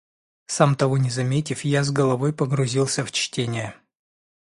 Сам того не заметив, я с головой погрузился в чтение